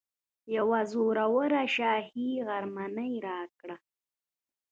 یوه زوروره شاهي غرمنۍ راکړه.